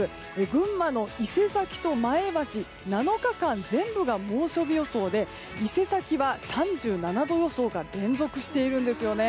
群馬の伊勢崎と前橋７日間全部が猛暑日予想で伊勢崎は３７度予想が連続しているんです。